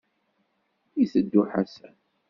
Iteddu Ḥasan.